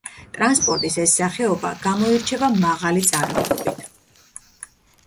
ტრანსპორტის ეს სახეობა გამოირჩევა მაღალი წარმადობით.